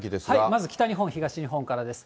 まず北日本、東日本からです。